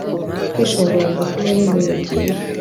Kwishongora mumutima no mubihe byiza